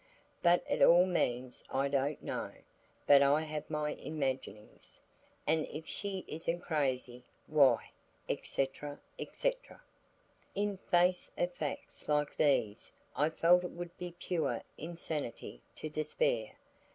What it all means I don't know, but I have my imaginings, and if she is'nt crazy, why " etc., etc. In face of facts like these I felt it would be pure insanity to despair.